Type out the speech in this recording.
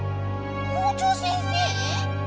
校長先生！？